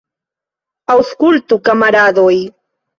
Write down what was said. Aŭskultu, kamaradoj!